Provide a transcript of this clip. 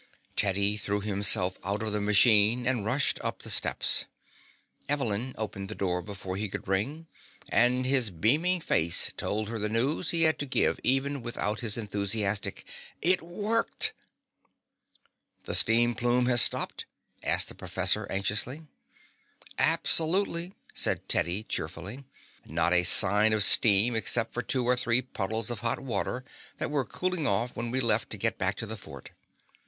Teddy threw himself out of the machine and rushed up the steps. Evelyn opened the door before he could ring, and his beaming face told her the news he had to give even without his enthusiastic, "It worked!" "The steam plume has stopped?" asked the professor anxiously. "Absolutely," said Teddy cheerfully. "Not a sign of steam except from two or three puddles of hot water that were cooling off when we left to get back to the fort.